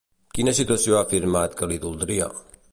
Quina situació ha afirmat que li doldria?